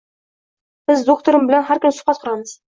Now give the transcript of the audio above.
Biz doktorim bilan har kuni suhbat quramiz